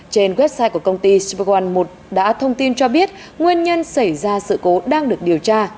trên website của công ty span một đã thông tin cho biết nguyên nhân xảy ra sự cố đang được điều tra